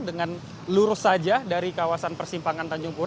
yang lurus saja dari kawasan persimpangan tanjung pur